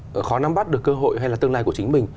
và khó nắm bắt được cơ hội hay là tương lai của chính mình